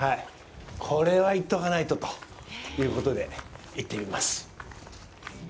これは行っとかないとということで、行ってみます。